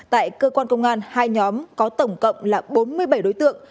tại cơ quan công an hai nhóm có tổng cộng là bốn mươi bảy đối tượng